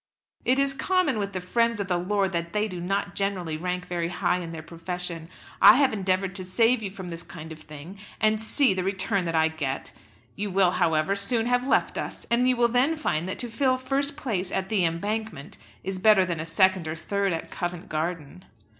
"It is common with the friends of the lord that they do not generally rank very high in their profession. I have endeavoured to save you from this kind of thing, and see the return that I get! You will, however, soon have left us, and you will then find that to fill first place at 'The Embankment' is better than a second or a third at Covent Garden."